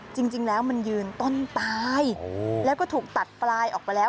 จริงแล้วมันยืนต้นตายแล้วก็ถูกตัดปลายออกไปแล้ว